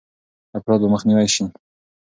افراط به مخنیوی شي.